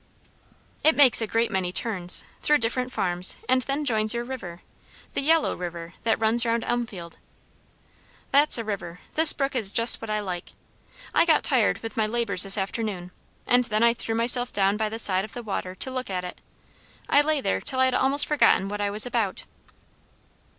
"It makes a great many turns, through different farms, and then joins your river the Yellow River that runs round Elmfield." "That's a river; this brook is just what I like. I got tired with my labours this afternoon, and then I threw myself down by the side of the water to look at it. I lay there till I had almost forgotten what I was about."